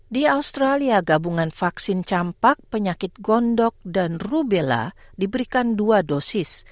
di australia gabungan vaksin campak penyakit gondok dan rubella diberikan dua dosis